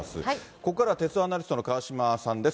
ここからは、鉄道アナリストの川島さんです。